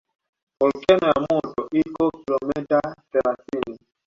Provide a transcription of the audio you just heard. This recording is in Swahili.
Volkeno ya moto iko kilomita thelathini